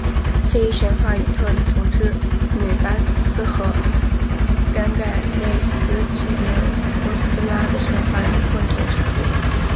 这一神话与特里同之女帕拉斯和癸干忒斯巨灵帕拉斯的神话有混同之处。